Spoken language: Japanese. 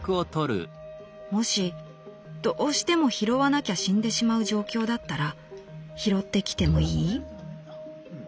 「『もしどうしても拾わなきゃ死んでしまう状況だったら拾って来てもいい？』